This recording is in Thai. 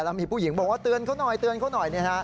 แล้วมีผู้หญิงบอกว่าเตือนเขาหน่อยเตือนเขาหน่อย